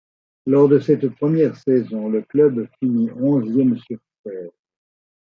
Lors de cette première saison, le club fini onzième sur seize.